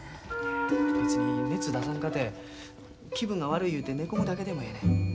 ・別に熱出さんかて気分が悪い言うて寝込むだけでもええねん。